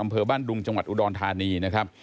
จังหวัดอุดรธานีนะครับ